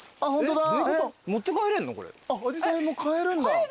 あじさいも買えるんだ。